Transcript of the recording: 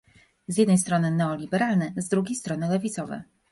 Z jednej strony neoliberalny, z drugiej strony lewicowy